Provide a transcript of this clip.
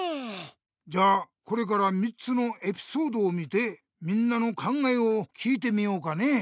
じゃあこれから３つのエピソードを見てみんなの考えを聞いてみようかね。